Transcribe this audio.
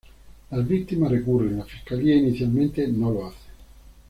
Las víctimas recurren; la Fiscalía inicialmente no lo hace.